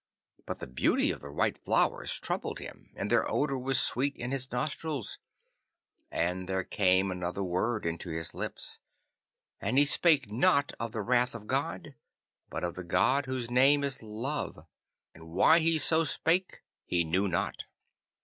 But the beauty of the white flowers troubled him, and their odour was sweet in his nostrils, and there came another word into his lips, and he spake not of the wrath of God, but of the God whose name is Love. And why he so spake, he knew not.